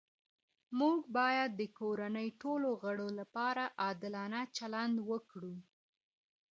موږ باید د کورنۍ ټولو غړو لپاره عادلانه چلند وکړو